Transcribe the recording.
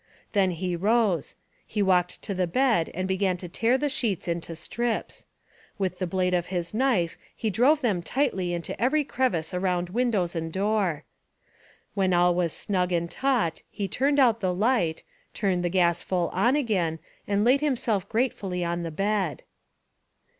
Then he rose. He walked to the bed and began to tear the sheets into strips. With 261 Essays and Literary Studies the blade of his knife he drove them tightly into every crevice around windows and door. When all was snug and taut he turned out the light, turned the gas full on again and laid himself gratefully upon the bed.